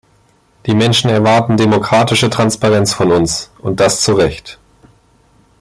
Die Menschen erwarten demokratische Transparenz von uns, und das zu Recht.